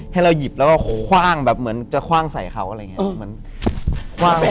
ให้เราหยิบแล้วก็คว่างแบบเหมือนจะคว่างใส่เขาอะไรอย่างนี้